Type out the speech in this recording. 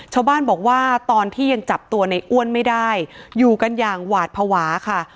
ชาวบ้านบอกว่าตอนที่ยังจับตัวในอ้วนไม่ได้อยู่กันอย่างหวาดภาวะค่ะ